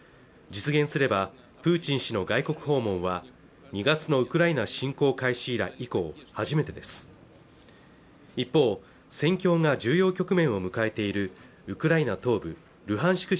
実現すればプーチン氏の外国訪問は２月のウクライナ侵攻開始以降初めてです一方戦況が重要局面を迎えているウクライナ東部ルハンシク